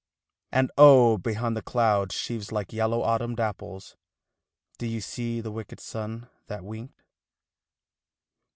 And oh, behind the cloud sheaves, like yellow autumn dapples, Did you see the wicked sun that winked?